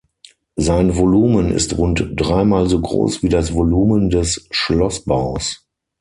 Sein Volumen ist rund dreimal so groß wie das Volumen des Schlossbaus.